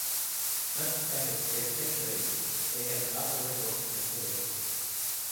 Smith stated We've actually, we have another record of material.